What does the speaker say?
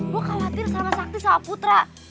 gue khawatir sama sakti sama putra